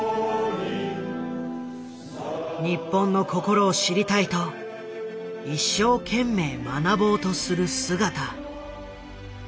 日本の心を知りたいと一生懸命学ぼうとする姿。